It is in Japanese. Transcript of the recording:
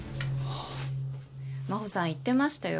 真帆さん言ってましたよ。